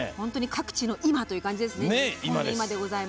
各地の今という感じですね。